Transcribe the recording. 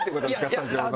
スタジオの。